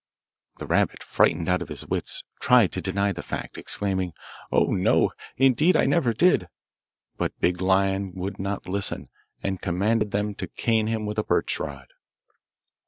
The rabbit, frightened out of his wits, tried to deny the fact, exclaiming, 'Oh, no, indeed I never did;' but Big Lion would not listen, and commanded them to cane him with a birch rod.